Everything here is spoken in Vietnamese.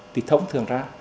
thì thông thường ra